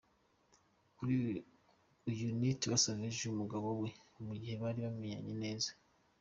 Uyu ni Tiwa Savage n’umugabo we mugihe bari bameranye neza.